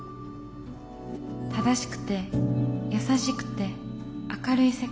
正しくて優しくて明るい世界。